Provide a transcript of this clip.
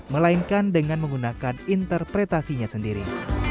melainkan dengan menggunakan interpretasinya sendiri